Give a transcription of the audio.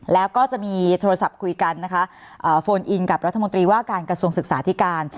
แล้วก็จะมีโทรศัพท์คุยกันนะคะโฟนอินกับรัฐมนตรีว่าการกระทรวงศึกษาธิการ